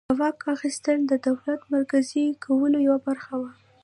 د واک اخیستل د دولت مرکزي کولو یوه برخه وه.